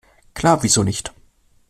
Klar, wieso nicht?